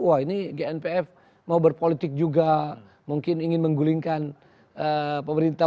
wah ini gnpf mau berpolitik juga mungkin ingin menggulingkan pemerintah